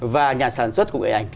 và nhà sản xuất của người ảnh